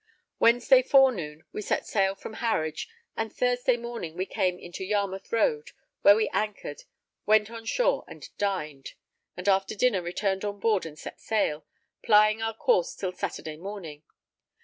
Wednesday forenoon, we set sail from Harwich, and Thursday morning we came into Yarmouth Road, where we anchored, went on shore and dined, and after dinner returned on board and set sail, plying our course till Saturday morning.